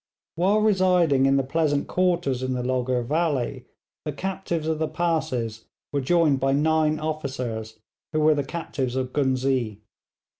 While residing in the pleasant quarters in the Logur valley the captives of the passes were joined by nine officers, who were the captives of Ghuznee.